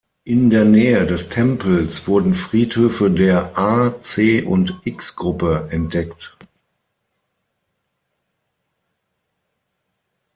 In der Nähe des Tempels wurden Friedhöfe der A-, C- und X-Gruppe entdeckt.